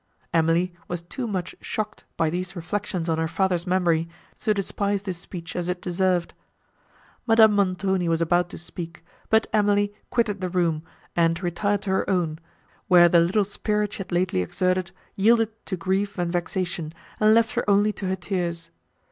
Emily was too much shocked by these reflections on her father's memory, to despise this speech as it deserved. Madame Montoni was about to speak, but Emily quitted the room, and retired to her own, where the little spirit she had lately exerted yielded to grief and vexation, and left her only to her tears.